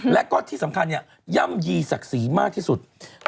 และก็ที่สำคัญย่ำยีศักดิ์ศรีมากที่สุด